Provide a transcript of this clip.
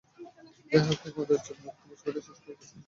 যাইহোক, সে এই মাদারচোদ মার্কা ছবিটা শেষ করেছে অবশেষে।